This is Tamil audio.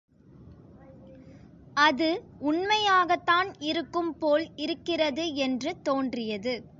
அது உண்மையாகத்தான் இருக்கும் போல் இருக்கிறது என்று தோன்றியது.